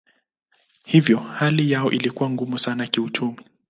Hivyo hali yao ilikuwa ngumu sana kiuchumi.